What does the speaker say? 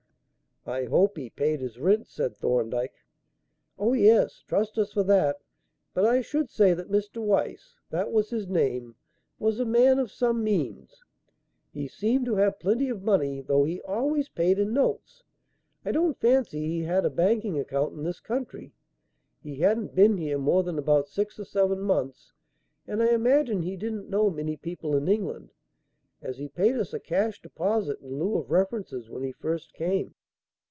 "I hope he paid his rent," said Thorndyke. "Oh, yes. Trust us for that. But I should say that Mr. Weiss that was his name was a man of some means. He seemed to have plenty of money, though he always paid in notes. I don't fancy he had a banking account in this country. He hadn't been here more than about six or seven months and I imagine he didn't know many people in England, as he paid us a cash deposit in lieu of references when he first came."